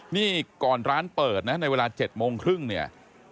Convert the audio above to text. นี่ก่อนร้านเปิดนะในเวลา๗โมงครึ่งเนี่ย